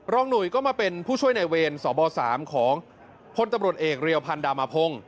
หนุ่ยก็มาเป็นผู้ช่วยในเวรสบ๓ของพลตำรวจเอกเรียวพันธามพงศ์